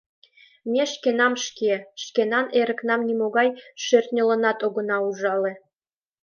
Ме шкенам шке, шкенан эрыкнам нимогай шӧртньыланат огына ужале.